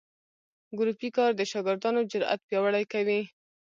ګروپي کار د شاګردانو جرات پیاوړي کوي.